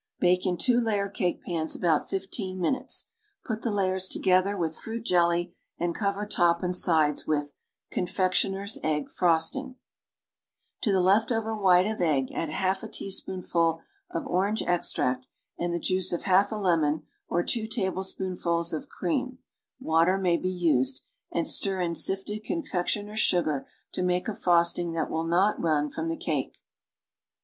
Bake in two layer cake pans aljout fifteen minutes. Put the layers together with fruit jelly and cover top and sides with CONFECTIONER'S EGG FROSTING To the left over white of egg, add half a teaspoonful of orange extract and the juice of half a lemon or two tablespoonfuls of cream (water may be used) and stir in sifted confectioner's sugar to make a frosting that will not run from the cake.